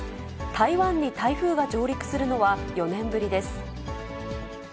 台湾に台風が上陸するのは４年ぶりです。